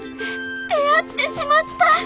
出会ってしまった！